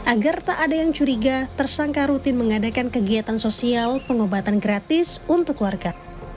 agar tak ada yang curiga tersangka rutin mengadakan kegiatan sosial pengobatan gratis untuk warga